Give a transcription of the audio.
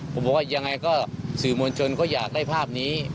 ผมบอกว่ายังไงก็สื่อมวลชนก็อยากได้ภาพนี้